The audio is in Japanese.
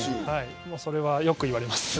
それはよく言われます。